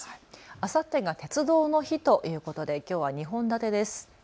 あさってが鉄道の日ということできょうは２本立てです。